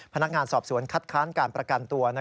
พนักงานสอบสวนคัดค้านการประกันตัว